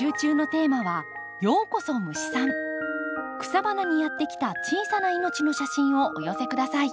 草花にやって来た小さな命の写真をお寄せ下さい。